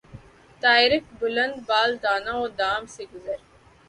طائرک بلند بال دانہ و دام سے گزر